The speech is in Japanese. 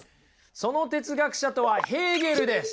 その哲学者とはヘーゲルです。